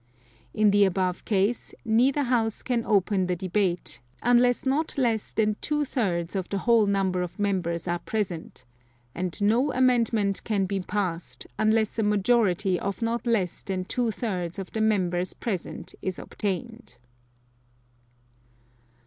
(2) In the above case, neither House can open the debate, unless not less than two thirds of the whole number of Members are present, and no amendment can be passed, unless a majority of not less than two thirds of the Members present is obtained.